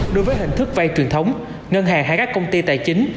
đối với hình thức vay truyền thống ngân hàng hay các công ty tài chính